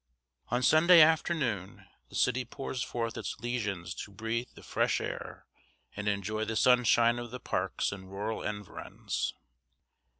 On Sunday afternoon the city pours forth its lesions to breathe the fresh air and enjoy the sunshine of the parks and rural environs.